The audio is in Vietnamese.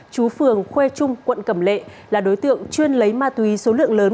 chú phường khuê trung quận cầm lệ là đối tượng chuyên lấy ma túy số lượng lớn